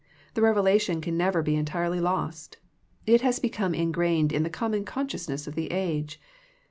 The revelation can never be entirely lost. It has become ingrained in the common consciousness of the age.